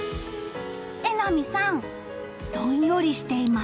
榎並さん、どんよりしています。